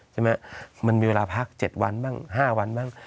มันมีเวลาพัก๗วันบ้าง๕วันบ้าง